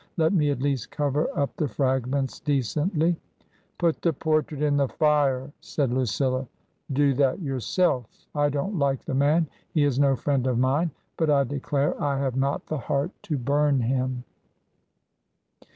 Let me at least cover up the fragments decently." Put the portrait in the fire," said Lucilla. Do that yourself. I don't like the man; he is no friend of mine ; but I declare I have not the heart to bum him."